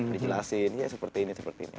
dijelasin ya seperti ini seperti ini